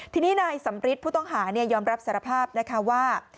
ทีนี้นายสำริทผู้ต้องหายอมรับสารภาพนะคะว่า